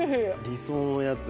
理想のやつ。